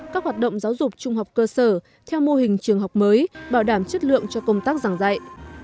các hoạt động giáo dục trung học cơ sở theo mô hình trường học mới bảo đảm chất lượng cho công tác giảng dạy